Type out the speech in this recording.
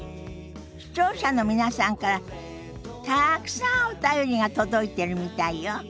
視聴者の皆さんからたくさんお便りが届いてるみたいよ。